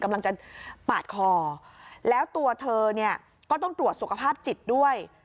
กำลังจะปาดคอแล้วตัวเธอเนี่ยก็ต้องตรวจสุขภาพจิตด้วย